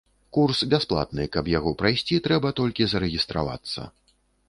Курс бясплатны, каб яго прайсці, трэба толькі зарэгістравацца.